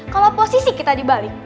kalau posisi kita dibalik